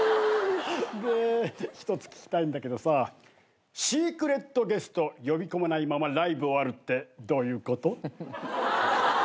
で１つ聞きたいんだけどさシークレットゲスト呼び込まないままライブ終わるってどういうこと？